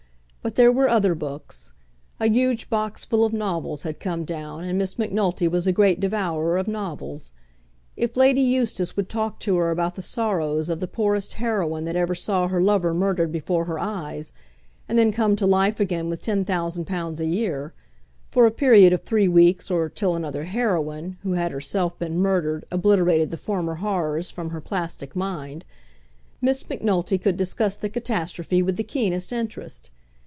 But there were other books. A huge box full of novels had come down, and Miss Macnulty was a great devourer of novels. If Lady Eustace would talk to her about the sorrows of the poorest heroine that ever saw her lover murdered before her eyes, and then come to life again with ten thousand pounds a year, for a period of three weeks, or till another heroine, who had herself been murdered, obliterated the former horrors from her plastic mind, Miss Macnulty could discuss the catastrophe with the keenest interest.